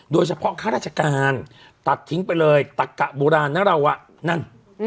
โดยเฉพาะค่าราชกาลตัดทิ้งไปเลยตัดกะโบราณนั้งเราอะนั่น